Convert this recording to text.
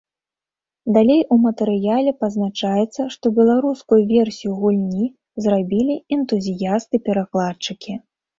Далей у матэрыяле пазначаецца, што беларускую версію гульні зрабілі энтузіясты-перакладчыкі.